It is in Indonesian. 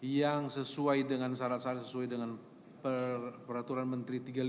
yang sesuai dengan syarat syarat sesuai dengan peraturan menteri tiga puluh lima